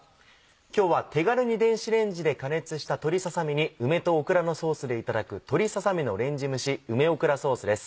今日は手軽に電子レンジで加熱した鶏ささ身に梅とオクラのソースでいただく「鶏ささ身のレンジ蒸し梅オクラソース」です。